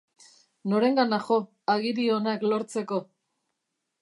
Norengana jo, agiri onak lortzeko?